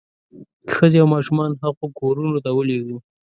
ښځې او ماشومان هغو کورونو ته ولېږو.